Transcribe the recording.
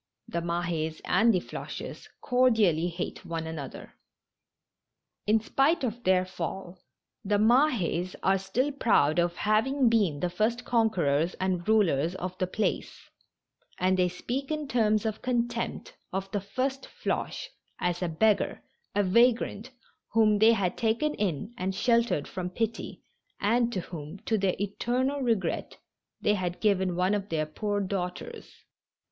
The Mah^s and the Floches cordially hate one another. In spite of their fall, the Mahes are 200 THE MAKES AND THE FLOCHES. still proud of having been the first conquerors and rulers of the place, and they speak in terms of contempt of the first Floche as a beggar, a vagrant whom they had taken ill and sheltered from pity, and to whom, to their eternal regret, they had given one of their poor daughters.